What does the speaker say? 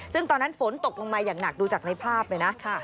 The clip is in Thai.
ซึ่งตอนนั้นฝนตกลงมาอย่างหนักดูจากในภาพเลยนะ